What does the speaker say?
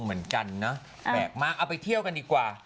เอาไปเที่ยวกันดีกว่า